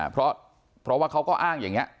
เพราะว่าเขาก็อ้างอย่างนี้